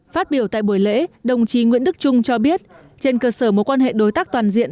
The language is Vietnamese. phát biểu tại buổi lễ đồng chí nguyễn đức trung cho biết trên cơ sở mối quan hệ đối tác toàn diện